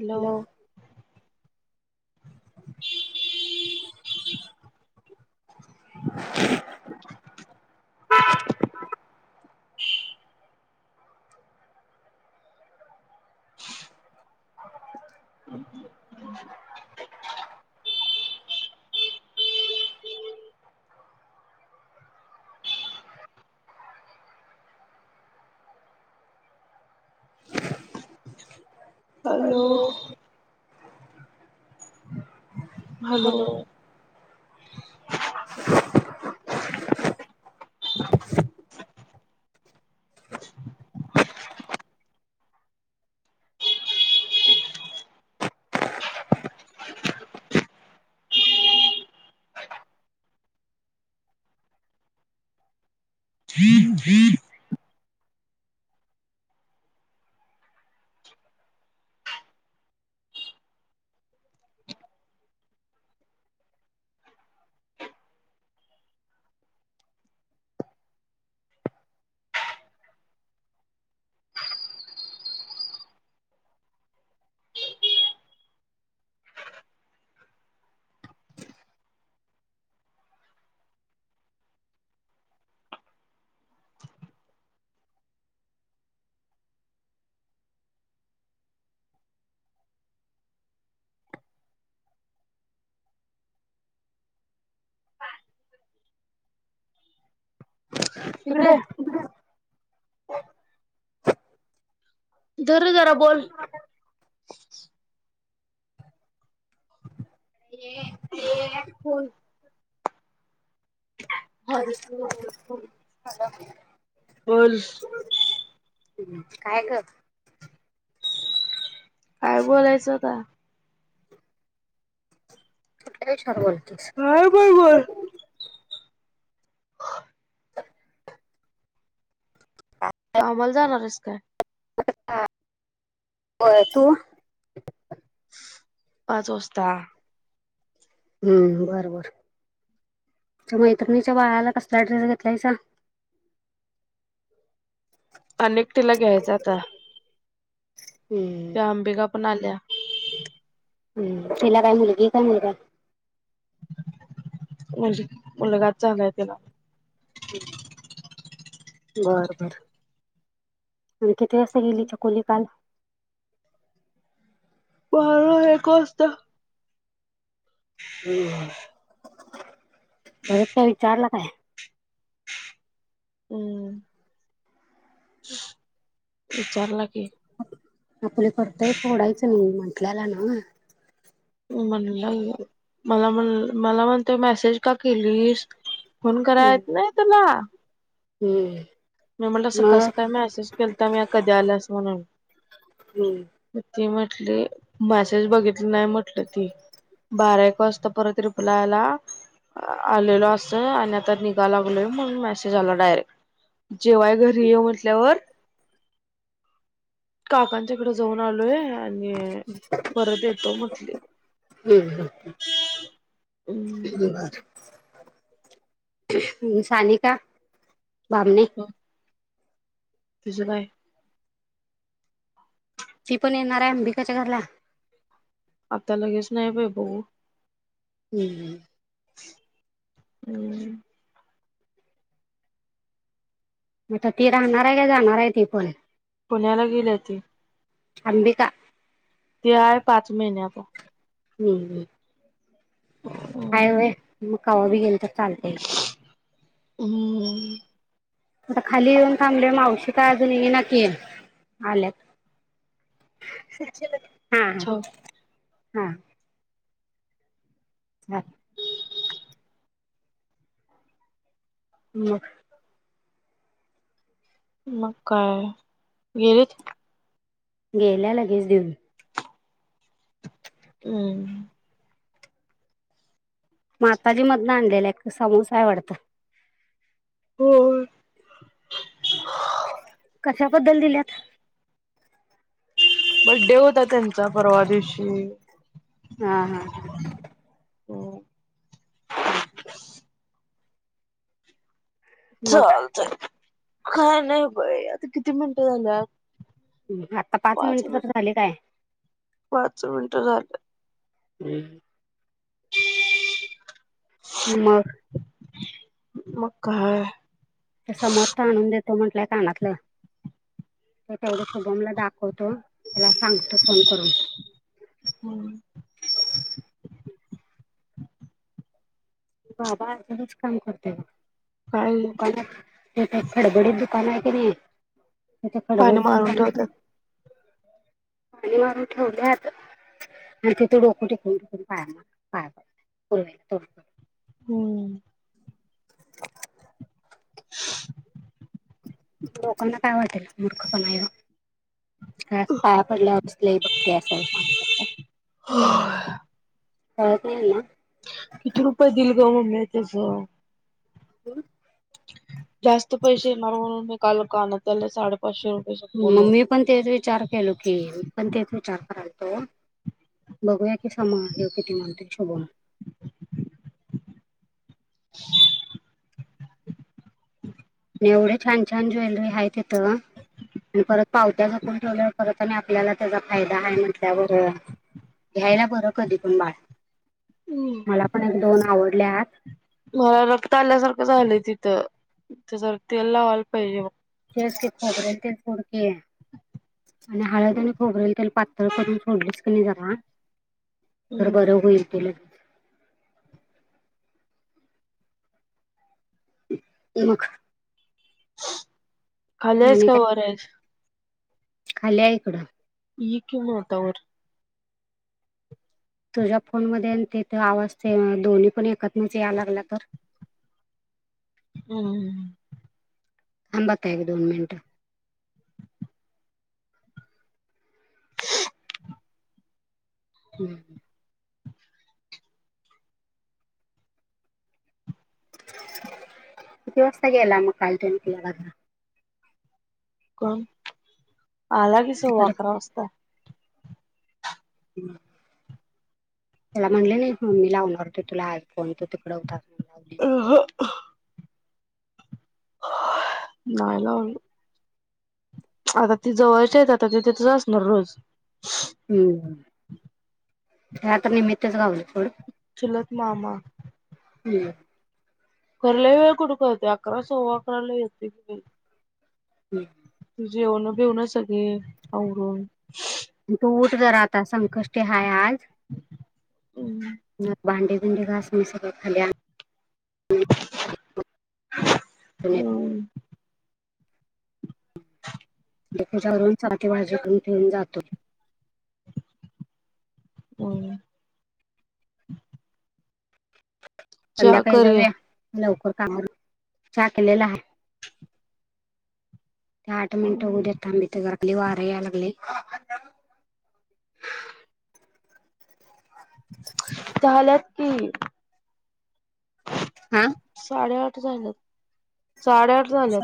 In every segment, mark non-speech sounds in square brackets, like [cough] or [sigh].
Hello [unintelligible] [unintelligible] [unintelligible] hello hello [unintelligible] [unintelligible] [inaudible] इकडे ये धर जरा बोल [unintelligible] [unintelligible] [unintelligible] बोल हम् काय ग काय बोलायचं आता कुठल्या इश्यावर बोलतेस काय पण बोल [inaudible] कामाला जाणार हायेस काय? होय तू पाच वाजता हूं बरबर तू मैत्रणीच्या बाळाला कसला ड्रेस घेतलायसा आणि एक तिला घ्यायचा आता [inaudible] त्या अंबिका पणाल्या हम्म तिला काय मुलगी ये काय मुलगा म्हजे मुलगाच झालाय तिला [inaudible] बर बर आणि किती वाजता गेली छकुली काल बारा एक वाजता हूं परत काय विचारला काय? हम्म विचारला की, आपल कर्तव्य सोडायचं नाही म्हंटल्याला ना म्हणलं मी मला म्हण मला म्हणते मेसेज का केलीस फोन कराय यत नाय तुला हम्म मी म्हटल सकाळ मग सकाळी मेसेज केलता म्या कधी आलास म्हणून हम्म ती म्हटली मेसेज बघितली नाही म्हटल ती बारा एक वाजता परत रिप्लाय आला आलेलो अस आणि आता निघा लागलोय म्हणून मेसेज आला डायरेक्ट जेवाय घरी ये म्हटल्यावर काकांच्या इकडे जाऊन आलोय आणि परत येतो म्हटली हम्म हम् सानिका बामने तिज काय? ती पण येणार हाय अंबिकाच्या घरला आता लगेच नाही बई बघू हूं हूं हम्म म आता केक आणणार हाय का जाणार हाय ती पण पुण्याला गेल्याती अंबिका ते आहे पाच महिन्याचा हम्म हम् हाय व मग कावा बी गेल तर चालतय? हम्म आता खाली येऊन थांबले मावशी का अजून इना की? आल्यात! हा ह हा [inaudible] मग मग काय गेलेत? गेल्या लगेच देऊन. हम्म माताजी मधन आणलेला एक समोसा हाय वाटत? होय कशाबद्दल दिल्यात? बड्डे होता त्यांचा परवा दिवशी! हा हा ह हो मग चालतय काय नाही बाई आता किती मिनिटं झाल्यात? आता पाच मिनिटं तर झाले काय! पाच मिनटं झालं [inaudible] हम मग मका हाय? समर्थ आणून देतो म्हंटलाय कानाातलं. ते तेवढं शुभमला दाखवतो त्याला सांगतो फोन करून. बाबा आतूनच काम करतोय बग! काय दुकानत खडबडीत दुकान आहे की नाही! त्याथ खडबड पानं [inaudible] मारून ठेवतात पाणी मारून ठेवल्यात आणि तिथे डोक टिकूनटिकून पाया पडलीत. हम्म [inaudible] लोकांना काय वाटल मूर्ख पना यो! का अस पाया पडल्या वरच लई भक्ती आहे अस आहे का? [inaudible] किती रुपये दिलल ग मम्मे म तेच हो हम् जास्त पैसे येणार म्हणून मी काल कानातल्याला साडे मममी पण तेच विचार केलो की मी पण तेच विचार कराल बघूया कि सम घ किती म्हणतो य शुभम पी [inaudible] एवढे छान छान ज्वेलरी हाय तीत आणि परत पावत्या जपून ठेवल्यावर परत आणि आपल्याला त्याचा फायदा आहे, म्हटल्यावर घ्यायला बरं कधी पण बाळ मला पण एक दोन आवड ल्यात मला रक्त आल्यासारखं झालंय तिथं जरा तेल लावायला पाहिजे बग व्यवस्थीत खोबरे तेल फोडकीय आणि हळद बघ आणि खोबरेल तेल पातळ करून फोडलीस क नाही जरा [unintelligible] तर बर हम्म होईल ते लगेच ती मग खालीयस आणि का काय वरयस खाली आहे इकडं ये कि मग आता वर तुझ्या फोन मध्ये तिथ आवाज ते दोन्ही पण एकतनच याय लागला तर?? हम्म थांब आता एक दोन मिनट हम्म किती वाजता गेला म काल त्यो निकल्या दादा [unintelligible] कोण? आला कि तिकडं सव्वाअकरा वाजता त्याला म्हणले न मी लावणार होते तुला आय फोन तु तिकडं होतास म्हणून लावली अ ह [unintelligible] नाय लावलो आता ती जवळच्या आहेत ते आता तिथच असणार रोज हम्म, त्याला तर निमितच ते घावल थोड चुलत मामाा हम्म खर लय वेळ कुठ कळतय अकरा सव्वा अकराला येते की व हम् तु जेवण बीवण न सगळ आवररून तू उठ जरा आता संकष्टी हाय आज हम्म घा भांडे भांडे घाास मी सगळ खाली आण [inaudible] आणून हम् देवपुजा करून चांगली भाजी करुन ठेवून जातो हो संध्याकाळी जाऊया, लवकर काय म चहा केलेला आहे ते आठ मिनटं होऊदेत थांब इथ घरात लय वार यायलागलं [inaudible] त्या आल्यात कि हा साडे आठ झालं साडेआठ झाल्यात.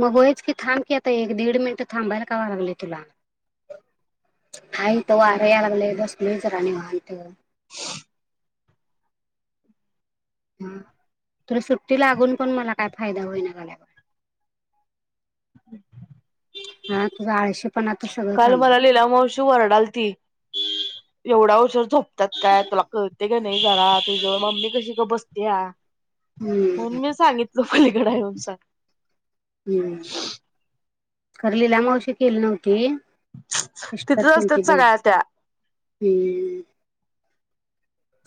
मंग व्हईच की थांब आता एक दीड मिनिट थांबायला काय व्हाया लागल तुला. हा इथं वार हम्म. यायला लागलं बस राणीचा राजमहल ईथ ह तुला सुट्टी लागून पण मला काय फायदा होईना गड्या. [inaudible] हा तुझा आळशी काल मला लीला मावशी ओरडायला आलती एवढा उशिरा झोपतात काय तुला कळतं का नाही जरा मम्मी कशी गप बस्ती. या हम्म मम्मीने सांगितलं पलीकडे हाय म्हणून सांग. खरी लीला मावशी गेली नव्हती. सिस्टर तिथं केलती असतात बाई सगळ्या त्या. हम्म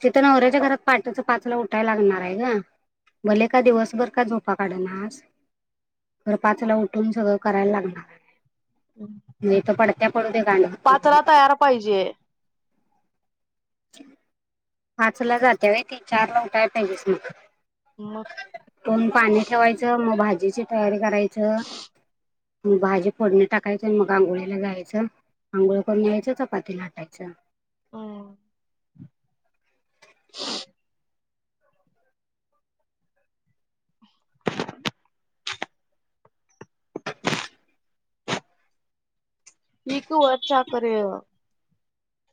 तिथं नवऱ्याच्या घरात पहाटे पाचला उठायला लागणार आहे ग भले का दिवसभर झोपा काढ ना आज उठून सगळं करा लागणार. नाही तो पडत्या पडू दे गाणं पाचला तयार पाहिजे [inaudible] पाच ला जाते ती चारला उठायला पाहिजे तीन. मग पण पाणी ठेवायचं मग भाजी तिची तयारी करायचं मग भाजी फोडणीला टाकायची मग आंघोळीला जायच. अंघोळ करून यायचं चपात्या लाटायच्या. हम्म [inaudible] एक वरच्या कर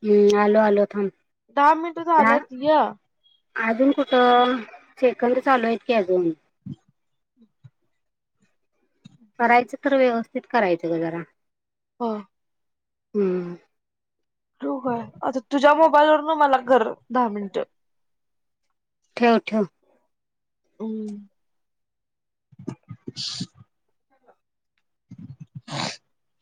हम्म आलो आलो थांब. दहा मिनिट दा झाल्यात य अजून कुठं सेकंद चालू आहेत की अजून. [inaudible] करायच तर व्यवस्थित करायचं ग जरा. हो हम्म होय आता तुझ्या मोबाईलवरून मला कर दहा मिनिटं ठेव ठेव [unintelligible] [unintelligible]